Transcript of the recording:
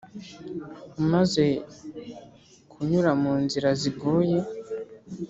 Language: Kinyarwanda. umaze kunyura munzira zigoye